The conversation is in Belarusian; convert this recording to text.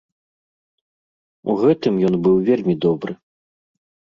У гэтым ён быў вельмі добры.